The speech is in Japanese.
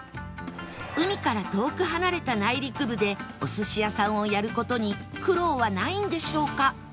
海から遠く離れた内陸部でお寿司屋さんをやる事に苦労はないんでしょうか？